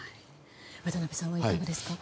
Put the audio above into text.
渡辺さんはいかがですか？